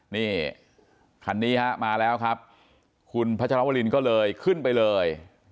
นี่คันนี้ฮะมาแล้วครับคุณพัชรวรินก็เลยขึ้นไปเลย